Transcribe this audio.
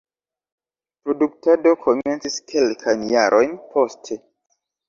Produktado komencis kelkajn jarojn poste.